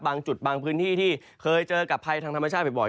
บางจุดบางพื้นที่ที่เคยเจอกับภัยทางธรรมชาติบ่อย